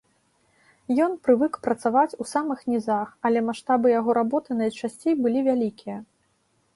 Ён прывык працаваць у самых нізах, але маштабы яго работы найчасцей былі вялікія.